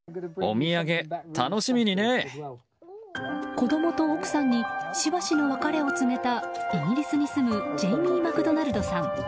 子供と奥さんにしばしの別れを告げたイギリスに住むジェイミー・マクドナルドさん。